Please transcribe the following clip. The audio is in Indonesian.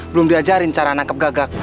belum diajarin cara menangkap gagak